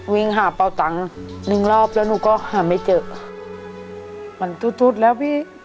วิ่งหาเป่าตังค์หนึ่งรอบแล้วหนูก็หาไม่เจอมันทุดแล้วพี่